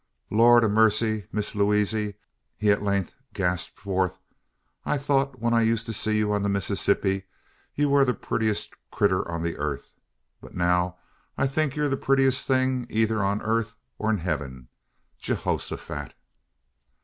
"Lord o' marcy, Miss Lewaze!" he at length gasped forth, "I thort when I used to see you on the Massissippi, ye war the puttiest critter on the airth; but now, I think ye the puttiest thing eyther on airth or in hewing. Geehosofat!"